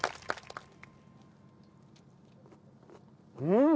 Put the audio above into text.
うん！